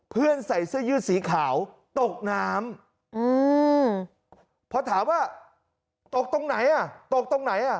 เพื่อนใส่เสื้อยืดสีขาวตกน้ำพอถามว่าตกตรงไหน